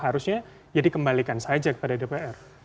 harusnya jadi kembalikan saja kepada dpr